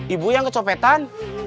ibu yang kecopetan